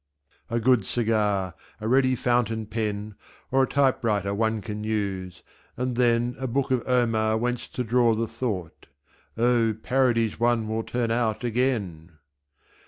A Good Cigar, a ready Fountain Pen Or a Typewriter one can use, and then A book of Omar whence to draw the Thought Oh, Parodies one will turn out again!